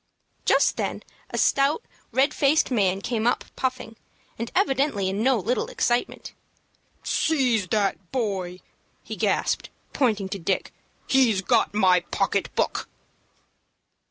Just then a stout, red faced man came up puffing, and evidently in no little excitement. "Seize that boy!" he gasped, pointing to Dick. "He's got my pocket book."